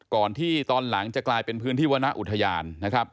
ก่อนที่ตอนหลังจะกลายเป็นพื้นที่วรรณอุทยานนะครับ